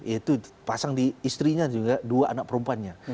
itu dipasang di istrinya juga dua anak perempuannya